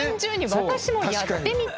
私もやってみたい。